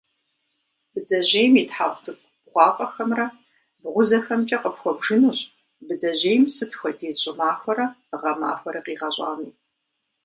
Бдзэжьейм и тхьэгъу цӏыкӏу бгъуафӏэхэмрэ, бгъузэхэмкӏэ къыпхуэбжынущ бдзэжьейм сыт хуэдиз щӏымахуэрэ гъэмахуэрэ къигъэщӏами.